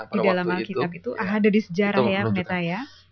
di dalam alkitab itu ada di sejarah